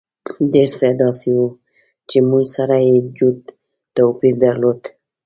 ډېر څه داسې وو چې موږ سره یې جوت توپیر درلود.